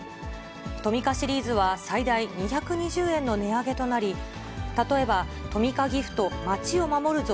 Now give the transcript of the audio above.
トミカシリーズは最大２２０円の値上げとなり、例えば、トミカギフト街を守るぞ！